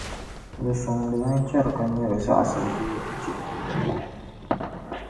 Di sͻŋdimi n-chɛri ka nira zaɣisiri bee n-chihiri yɛligu.